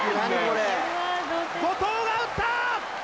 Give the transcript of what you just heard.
後藤が打った！